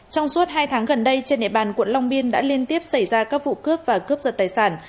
trong suốt hai tháng gần đây trên địa bàn quận long biên đã liên tiếp xảy ra các vụ cướp và cướp giật tài sản